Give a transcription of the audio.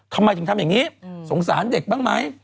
ทำไมถึงทำอย่างนี้สงสารเด็กบ้างไหม